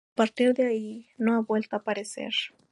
A partir de ahí, no ha vuelto a aparecer.